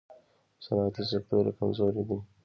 صنعتي سکتور یې کمزوری دی.